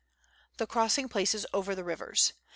The Crossing places over the Rivers.